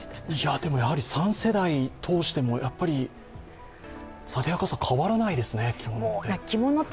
でも、やはり３世代通してもあでやかさ、変わらないですね、着物って。